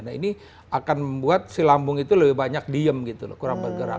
nah ini akan membuat si lambung itu lebih banyak diem gitu loh kurang bergerak